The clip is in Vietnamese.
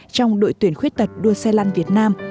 trong đội tuyển khuyết tật đua xe lăn việt nam